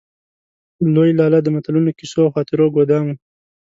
لوی لالا د متلونو، کيسو او خاطرو ګودام و.